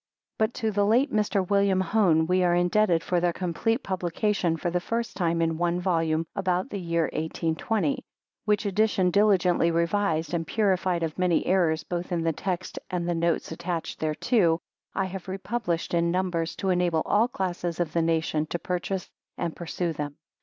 But to the late Mr. William Hone we are indebted for their complete publication for the first time in one volume, about the year 1820; which edition, diligently revised, and purified of many errors both in the text and the notes attached thereto, I have re published in numbers to enable all classes of the nation to purchase and peruse them.